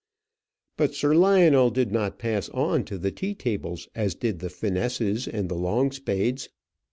But Sir Lionel did not pass on to the tea tables as did the Finesses and the Longspades.